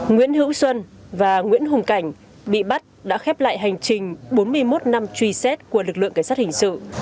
nguyễn hữu xuân và nguyễn hùng cảnh bị bắt đã khép lại hành trình bốn mươi một năm truy xét của lực lượng cảnh sát hình sự